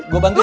gue bantu ya